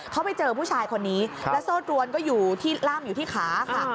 เข้าไปเจอผู้ชายคนนี้และโซดรวนก็ร่ำอยู่ที่ขาค่ะ